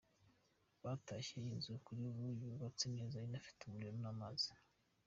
Batashye iyi nzu kuri ubu yubatse neza inafite umuriro n’amazi.